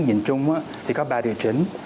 nhưng nhìn chung thì có ba điều chính